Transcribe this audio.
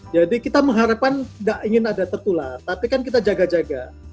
jadi kita mengharapkan nggak ingin ada tertular tapi kan kita jaga jaga